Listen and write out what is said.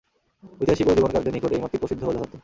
ঐতিহাসিক ও জীবনীকারদের নিকট এই মতই প্রসিদ্ধ ও যথার্থ।